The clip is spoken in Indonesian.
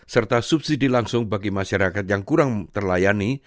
serta subsidi langsung bagi masyarakat yang kurang terlayani